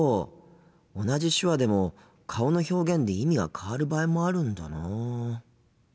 同じ手話でも顔の表現で意味が変わる場合もあるんだなあ。